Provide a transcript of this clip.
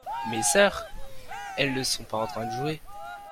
Mes sœurs, elles ne sont pas en train de jouer.